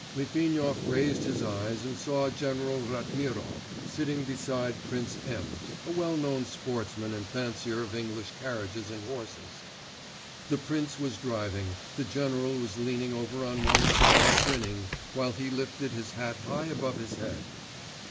Litvinov raised his eyes and saw General Ratmirov sitting beside Prince M., a well known sportsman and fancier of English carriages and horses. The prince was driving, the general was leaning over on one side, grinning, while he lifted his hat high above his head.